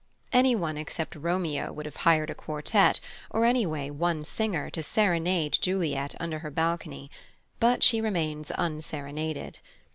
Anyone except Romeo would have hired a quartet, or anyway, one singer, to serenade Juliet under her balcony; but she remains unserenaded.